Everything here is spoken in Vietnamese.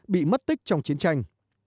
bị mất tích trong chiến tranh